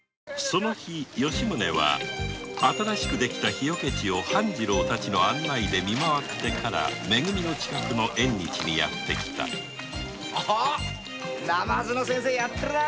その日吉宗は新しく出来た火除地を半次郎たちの案内で見回ってからめ組の近くの縁日にやって来たなまずの先生やってるな。